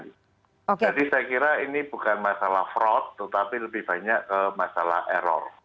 jadi saya kira ini bukan masalah fraud tetapi lebih banyak masalah error